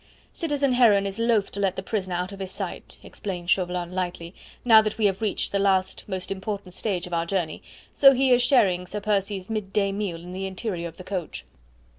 "Citizen Heron is loath to let the prisoner out of his sight," explained Chauvelin lightly, "now that we have reached the last, most important stage of our journey, so he is sharing Sir Percy's mid day meal in the interior of the coach."